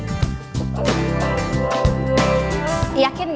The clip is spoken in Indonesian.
tapi mereka masih berkembang